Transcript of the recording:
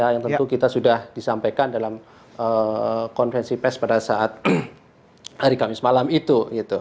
yang tentu kita sudah disampaikan dalam konvensi pes pada saat hari kamis malam itu